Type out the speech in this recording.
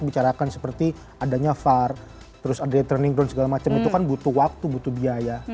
bicarakan seperti adanya var terus ada turning ground segala macam itu kan butuh waktu butuh biaya